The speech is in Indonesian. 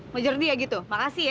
mujur dia gitu makasih ya